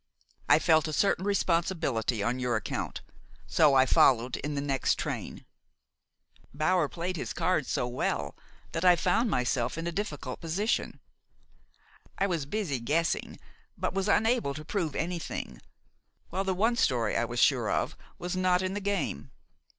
I felt a certain responsibility on your account; so I followed by the next train. Bower played his cards so well that I found myself in a difficult position. I was busy guessing; but was unable to prove anything, while the one story I was sure of was not in the game.